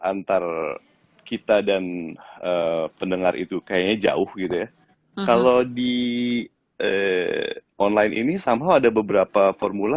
antar kita dan pendengar itu kayaknya jauh gitu ya kalau di online ini sama ada beberapa formula